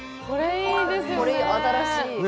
これ新しい。